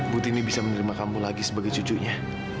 butini bisa menerima kampung lagi sebagai cucunya